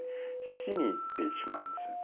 死にいってしまうんです。